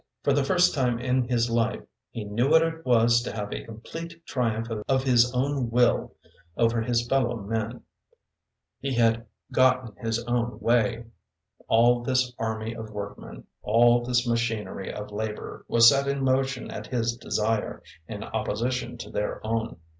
For the first time in his life he knew what it was to have a complete triumph of his own will over his fellow men. He had gotten his own way. All this army of workmen, all this machinery of labor, was set in motion at his desire, in opposition to their own.